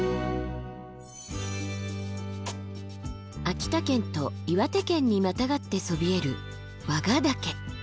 秋田県と岩手県にまたがってそびえる和賀岳。